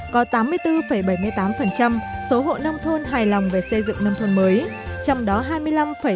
có tám mươi bốn bảy mươi tám số hộ nông thôn hài lòng về xây dựng nông thôn mới